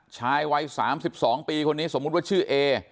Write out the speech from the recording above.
ชายวัย๓๒ปีคนนี้สมมุติว่าชื่อเอ